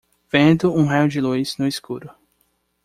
Vendo um raio de luz no escuro